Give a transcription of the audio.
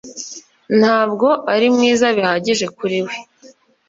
ntabwo ari mwiza bihagije kuri we